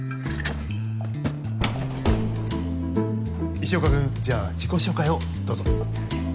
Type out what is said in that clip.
石岡君じゃあ自己紹介をどうぞ。